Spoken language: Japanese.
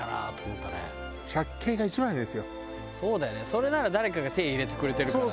それなら誰かが手入れてくれてるからね。